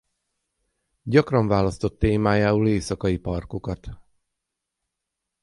Gyakran választott témájául éjszakai parkokat.